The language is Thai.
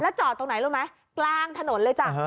จอดตรงไหนรู้ไหมกลางถนนเลยจ้ะ